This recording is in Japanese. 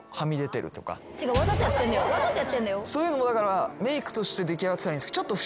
そういうのもメイクとして出来上がってたらいいですけど。